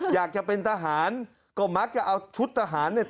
อยากจะเป็นทหารก็มักจะเอาชุดทหารเนี่ย